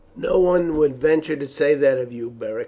"No one would venture to say that of you, Beric."